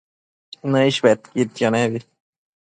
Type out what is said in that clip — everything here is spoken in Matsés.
Nëish bedquidquio nebi